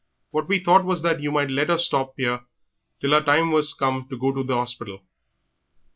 What we thought was that you might let her stop 'ere till her time was come to go to the 'orspital."